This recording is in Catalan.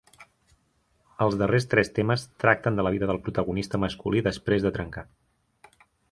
Els darrers tres temes tracten de la vida del protagonista masculí després de trencar.